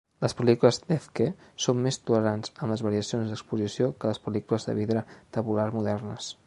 Les pel·lícules Efke són més tolerants amb les variacions d'exposició que les pel·lícules de vidre tabular modernes.